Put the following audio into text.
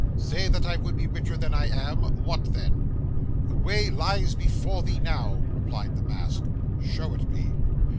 Say that I would be richer than I am; what then?' 'The way lies before thee now,' replied the Mask. 'Show it me.